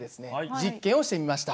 実験をしてみました。